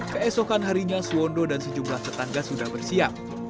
keesokan harinya suwondo dan sejumlah tetangga sudah bersiap